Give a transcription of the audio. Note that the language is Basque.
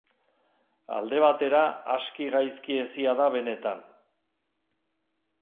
Alde batera, aski gaizki hezia da benetan.